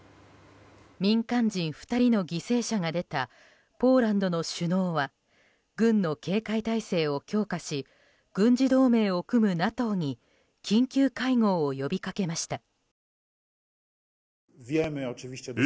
民間人２人の犠牲者が出たポーランドの首脳は軍の警戒態勢を強化し軍事同盟を組むＮＡＴＯに緊急会合を呼びかけました。